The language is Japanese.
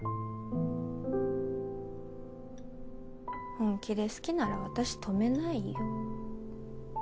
本気で好きなら私止めないよ。